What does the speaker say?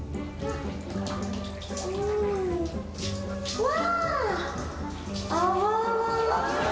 うわ。